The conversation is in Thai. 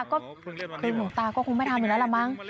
ก็คือหลวงตาก็คงไม่ทำอยู่แล้วล่ะมั้ง